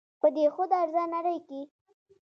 په دې خود غرضه نړۍ کښې